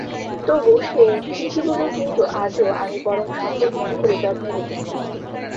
তবু সেই চিঠিগুলো কিন্তু আজও আমি পরম সম্পদ মনে করে যত্নে রেখেছি।